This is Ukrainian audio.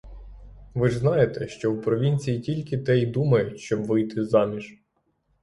Ви ж знаєте, що в провінції тільки те й думають, щоб вийти заміж.